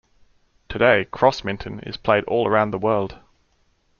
Today, Crossminton is played all around the world.